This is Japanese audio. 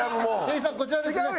店員さんこちらですね？